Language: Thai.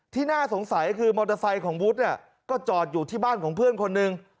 น่าสงสัยคือมอเตอร์ไซค์ของวุฒิเนี่ยก็จอดอยู่ที่บ้านของเพื่อนคนหนึ่ง